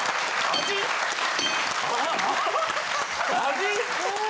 味！？